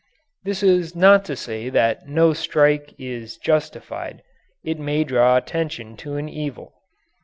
This is not to say that no strike is justified it may draw attention to an evil.